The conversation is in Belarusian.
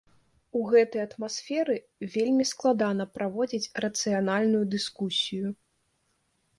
У гэтай атмасферы вельмі складана праводзіць рацыянальную дыскусію.